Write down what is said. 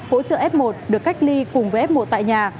hỗ trợ f một được cách ly cùng với f một tại nhà